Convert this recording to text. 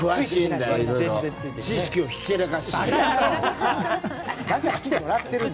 知識をひけらかしてる。